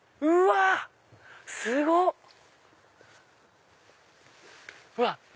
うわすごっ！